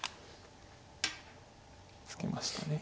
ツケました。